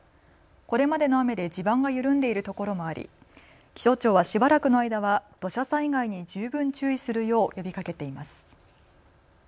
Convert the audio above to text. これまでの雨で地盤が緩んでいる所もあり、気象庁はしばらくの間は土砂災害に十分注意するよう呼びかけています。